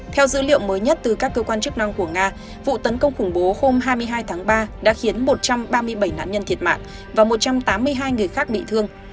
theo dữ liệu mới nhất từ các cơ quan chức năng của nga vụ tấn công khủng bố hôm hai mươi hai tháng ba đã khiến một trăm ba mươi bảy nạn nhân thiệt mạng và một trăm tám mươi hai người khác bị thương